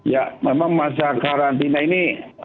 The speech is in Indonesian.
ya memang masa karantina ini